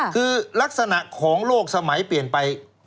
คือลักษณะของโลกสมัยเปลี่ยนไป